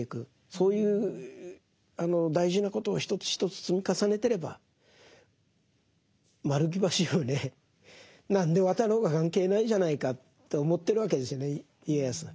そういう大事なことを一つ一つ積み重ねてれば丸木橋をね何で渡ろうが関係ないじゃないかと思ってるわけですよね家康は。